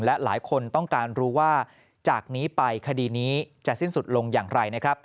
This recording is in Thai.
และหลายคนต้องการรู้ว่าจากนี้ไปคดีนี้จะสิ้นสุดลงอย่างไรนะครับ